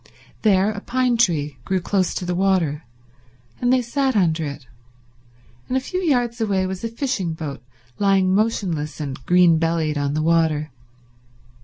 There a pine tree grew close to the water, and they sat under it, and a few yards away was a fishing boat lying motionless and green bellied on the water.